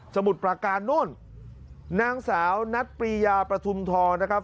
มุดประการโน่นนางสาวนัดปรียาประทุมทองนะครับ